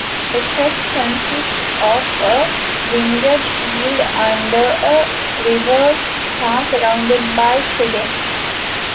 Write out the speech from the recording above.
The crest consists of a winged shield under a reversed star surrounded by tridents.